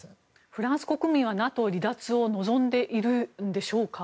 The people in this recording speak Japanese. フランス国民はＮＡＴＯ離脱を望んでいるんでしょうか。